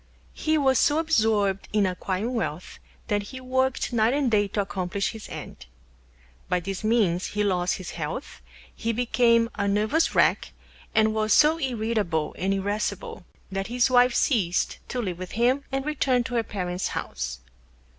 He was so absorbed in Acquiring Wealth that he Worked Night and Day to Accomplish his End. By this Means he lost his Health, he became a Nervous Wreck, and was so Irritable and Irascible that his Wife Ceased to live with him and Returned to her Parents' House.